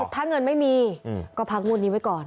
ถ้าเงินไม่มีก็พักงวดนี้ไว้ก่อน